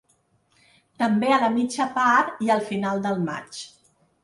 També a la mitja part i al final del matx.